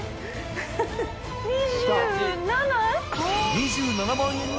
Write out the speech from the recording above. ２７。